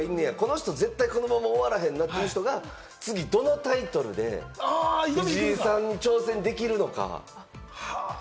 こんなすごい人がいんねや、この人、絶対このまま終わらへんなというのが、次はどのタイトルで藤井さんに挑戦できるのか。